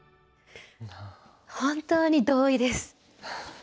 本当に同意です。